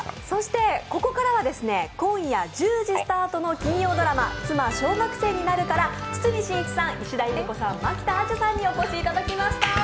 そしてここからは、今夜１０時スタートの金曜ドラマ「妻、小学生になる」から堤真一さん、石田ゆり子さん、蒔田彩珠さんにお越しいただきました。